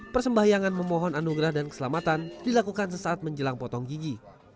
persembahyangan memohon anugerah dan keselamatan dilakukan sesaat menjelang potong gigi